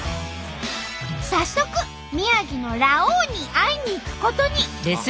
早速宮城のラオウに会いにいくことに。